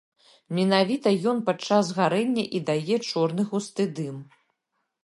Менавіта ён падчас гарэння і дае чорны густы дым.